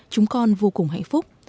chúng con vô cùng hạnh phúc